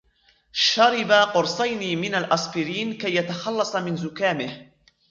شرب قرصين من الأسبرين كي يتخلص من زكامه.